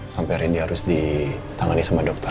sampai randy harus ditangani sama dokter